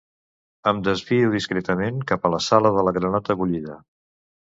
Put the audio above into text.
Em desvio discretament cap a la sala de la granota bullida.